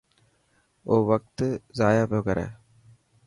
او وقت ضايع پيو ڪري.